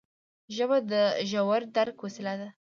ژبه د ژور درک وسیله ده